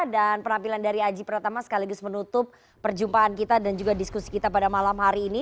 dan penampilan dari aji pratama sekaligus menutup perjumpaan kita dan juga diskusi kita pada malam hari ini